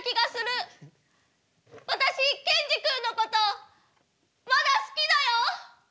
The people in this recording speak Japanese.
私ケンジ君のことまだ好きだよ！